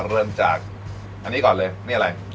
เริ่มจากอันนี้ก่อนเลยนี่อะไร